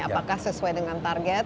apakah sesuai dengan target